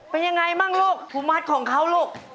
เป็นยังไงบ้างลูกภูมิัติของเขาลูก